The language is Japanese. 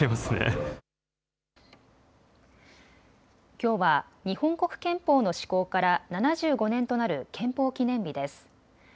きょうは日本国憲法の施行から７５年となる憲法記念日です。